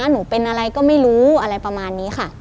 หนูเป็นอะไรก็ไม่รู้อะไรประมาณนี้ค่ะ